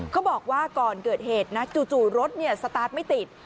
บอกว่าก่อนเกิดเหตุนะจู่รถสตาร์ทไม่ติด